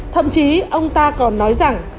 thậm chí ông ta còn nói rằng